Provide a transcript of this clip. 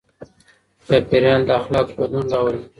چاپېريال د اخلاقو بدلون راولي.